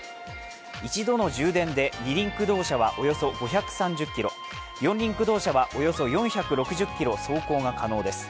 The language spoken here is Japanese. １度の充電で二輪駆動車はおよそ５３０ｋｍ四輪駆動車はおよそ４６０ｋｍ走行が可能です。